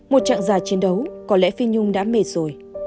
một trạng già chiến đấu có lẽ phi nhung đã mệt rồi